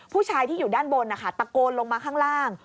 ผู้ชายที่อยู่ด้านบนนะคะตะโกนลงมาข้างล่าง